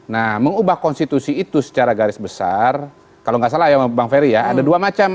nah mengubah konstitusi itu secara garis besar kalau nggak salah ya bang ferry ya ada dua macam